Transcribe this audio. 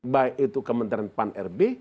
baik itu kementerian pan rb